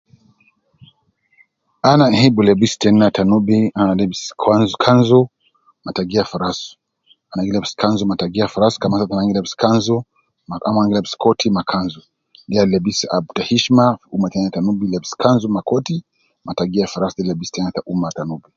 Ana hibu lebis teina ta Nubi ana lebis oa kanzi me tagiya fi ras. Ana gi lebis kanzu ma tagiya fi ras kaman ana gi lebis kanzi ana gi lebis coat ma kanzu de lebis Al tahishma fi ummah teina ta nubi lebis kanzu ma coat ma tagiya fi ras de ya lebis ta hishma fi ummah teina ta Nubi